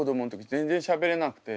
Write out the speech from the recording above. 全然しゃべれなくて。